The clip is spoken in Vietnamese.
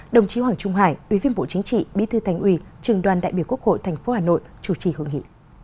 đồng chí hoàng trung hải ubnd bí thư thành uy trường đoàn đại biểu quốc hội tp hà nội chủ trì hội nghị